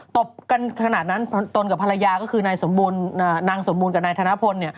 ตบกันขนาดนั้นตนกับภรรยาก็คือนายนางสมบูรณ์กับนายธนพล